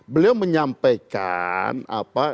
beliau menyampaikan apa